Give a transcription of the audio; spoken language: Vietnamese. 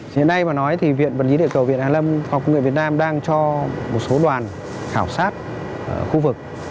thế này mà nói thì viện bản lý đại cầu viện hà lâm học nguyên việt nam đang cho một số đoàn khảo sát khu vực